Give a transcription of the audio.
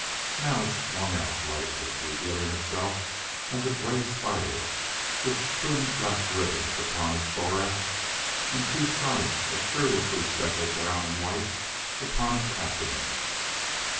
Now it swung out lightly, revealing itself as a gray spider, with twin black ribbons upon its thorax and two stripes of curiously speckled brown and white upon its abdomen.